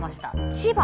千葉